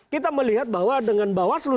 kita melihat bahwa dengan bawaslu